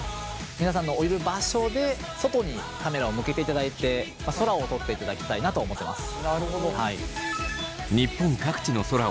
皆さんのいる場所で外にカメラを向けていただいて空を撮っていただきたいなと思ってます。